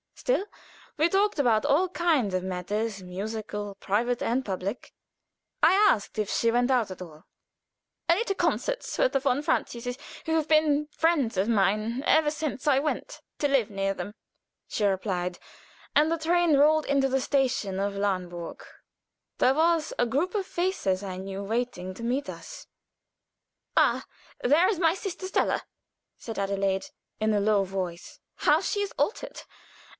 Still, we talked about all kinds of matters musical, private, and public. I asked if she went out at all. "Only to concerts with the von s, who have been friends of mine ever since I went to ," she replied; and then the train rolled into the station of Lahnburg. There was a group of faces I knew waiting to meet us. "Ah! there is my sister Stella," said Adelaide, in a low voice. "How she is altered!